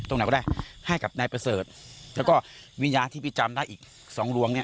ตรงไหนก็ได้ให้กับนายประเสริฐแล้วก็วิญญาณที่พี่จำได้อีกสองดวงเนี่ย